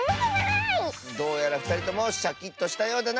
どうやらふたりともシャキッとしたようだな！